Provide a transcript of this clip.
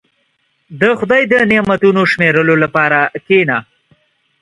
• د خدای نعمتونه شمیرلو لپاره کښېنه.